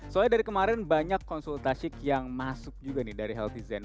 soalnya dari kemarin banyak konsultasik yang masuk juga nih dari healthy zen